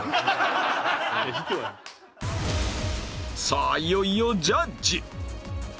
さあいよいよジャッジ